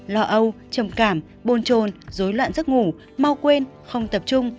lò âu trầm cảm bồn trồn dối loạn giấc ngủ mau quên không tập trung